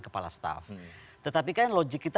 kepala staff tetapi kan logik kita